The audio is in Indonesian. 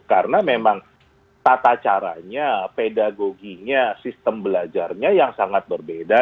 karena memang tata caranya pedagoginya sistem belajarnya yang sangat berbeda